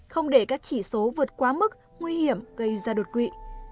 không để các chỉ số vượt quá mức nguy hiểm gây ra đột quỵ